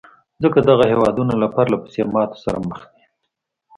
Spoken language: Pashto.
ځکه دغه هېوادونه له پرلهپسې ماتې سره مخ دي.